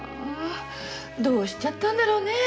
どうしちゃったんだろうねェ？